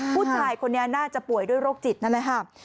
ผู้ชายคนนี้น่าจะป่วยด้วยโรคจิตนั่นแหละค่ะ